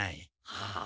はあ？